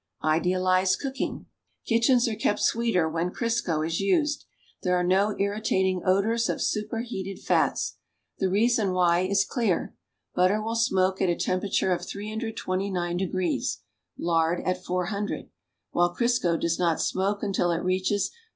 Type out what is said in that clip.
IDEALIZED COOKING Kitchens are kept sweeter when Crisco is used. There are no irritating odors of superheated fats. The reason why is clear. Butter will smoke at a temijeratue of ?^^29 degrees, lard at 400, while Crisco does not smoke until it reaches 4.